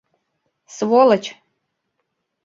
Сволочь!..